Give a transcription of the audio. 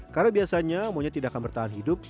karena biasanya monyet tidak akan bertahan hidup